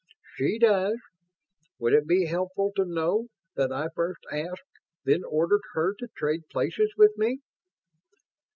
"She does. Would it be helpful to know that I first asked, then ordered her to trade places with me?"